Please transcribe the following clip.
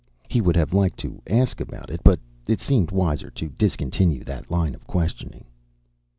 He would have liked to ask about it, but it seemed wiser to discontinue that line of questioning.